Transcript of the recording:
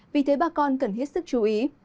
vì thế bà con cần hết sức chú ý